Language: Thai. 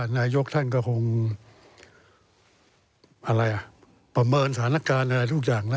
นายยกท่านก็คงประเมินสถานการณ์อะไรทุกอย่าง